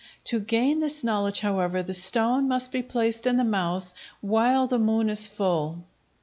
To gain this knowledge, however, the stone must be placed in the mouth while the moon is full.